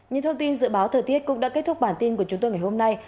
những thông tin dự báo thời tiết cũng đã kết thúc bản tin của chúng tôi ngày hôm nay